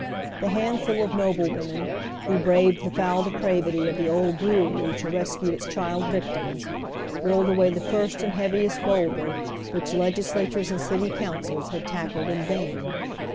The handful of noble women, who braved the foul depravity of the Old Brewery to i escue its child victims, rolled away the first and heaviest bowldei , which legisla tures and city councils had tackled in vain.